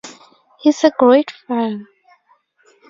He's a great father.